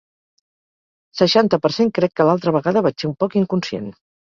Seixanta per cent Crec que l’altra vegada vaig ser un poc inconscient.